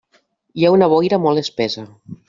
Hi ha una boira molt espessa.